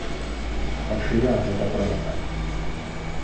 А чыя гэта праца?